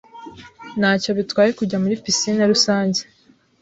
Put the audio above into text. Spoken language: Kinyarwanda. Ntacyo bitwaye kujya muri piscine rusange